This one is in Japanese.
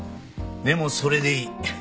でもそれでいい。